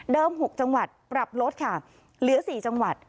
๖จังหวัดปรับลดค่ะเหลือ๔จังหวัด